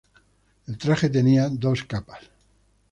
El traje tenía dos capas.